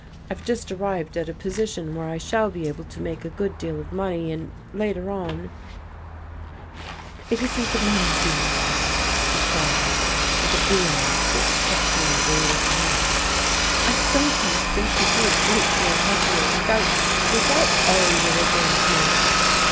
I've just arrived at a position where I shall be able to make a good deal of money, and later on " "It isn't the money, Hugh," she cried, with a vehemence which struck me as a little odd. "I sometimes think we'd be a great deal happier without without all you are going to make."